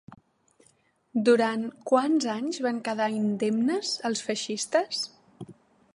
Durant quants anys van quedar indemnes, els feixistes?